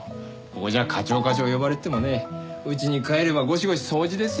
ここじゃ課長課長呼ばれててもね家に帰ればゴシゴシ掃除ですよ。